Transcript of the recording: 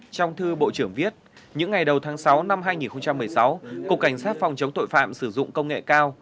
trong thư bộ trưởng viết những ngày đầu tháng sáu năm hai nghìn một mươi sáu cục cảnh sát phòng chống tội phạm sử dụng công nghệ cao